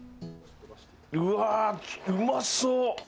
うわあうまそう！